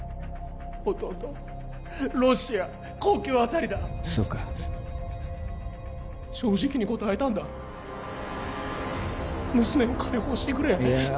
ほとんどロシア国境辺りだそうか正直に答えたんだ娘を解放してくれいや